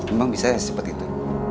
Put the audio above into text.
emang bisa ya sepet itu